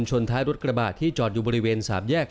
ชนท้ายรถกระบาดที่จอดอยู่บริเวณสามแยก